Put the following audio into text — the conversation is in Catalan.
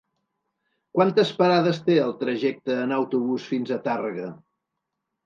Quantes parades té el trajecte en autobús fins a Tàrrega?